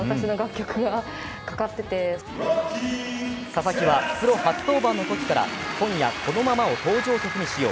佐々木はプロ初登板のときから「今夜このまま」を登場曲に使用。